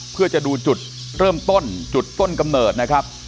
เพื่อจะดูจุดเริ่มต้นจุดต้นกำเนิดนะครับ